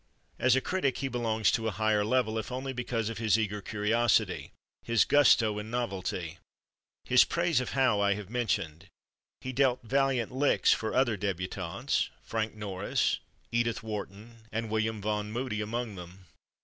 As a critic he belongs to a higher level, if only because of his eager curiosity, his gusto in novelty. His praise of Howe I have mentioned. He dealt valiant licks for other débutantes: Frank Norris, Edith Wharton and William Vaughn Moody among them.